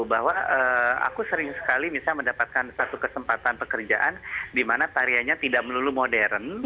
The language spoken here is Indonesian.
bahwa aku sering sekali bisa mendapatkan satu kesempatan pekerjaan dimana tarianya tidak melulu modern